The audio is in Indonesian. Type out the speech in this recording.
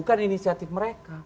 ini adalah inisiatif mereka